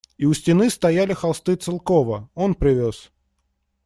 И у стены стояли холсты Целкова, он привез.